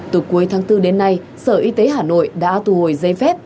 từ cuối tháng bốn đến nay sở y tế hà nội đã tù hồi dây phép